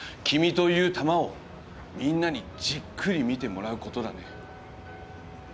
君という球をみんなにじっくり見てもらう事だね。